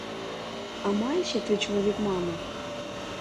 А має ще твій чоловік маму?